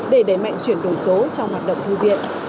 để đẩy mạnh chuyển đổi số trong hoạt động thư viện